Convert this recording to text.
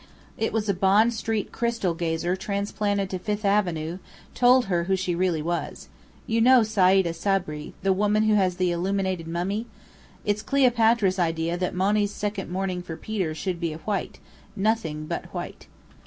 It was a Bond Street crystal gazer transplanted to Fifth Avenue told her who she really was: you know Sayda Sabri, the woman who has the illuminated mummy? It's Cleopatra's idea that Monny's second mourning for Peter should be white, nothing but white."